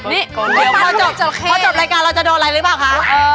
พอจบรายการเราจะโดนอะไรหรือเปล่าคะ